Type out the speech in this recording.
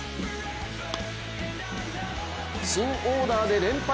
新オーダーで連敗